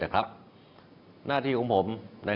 วันนี้นั้นผมจะมาพูดคุยกับทุกท่าน